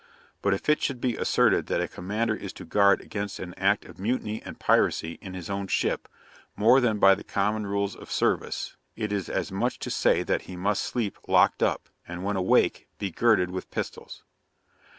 But if it should be asserted that a commander is to guard against an act of mutiny and piracy in his own ship, more than by the common rules of service, it is as much as to say that he must sleep locked up, and when awake, be girded with pistols.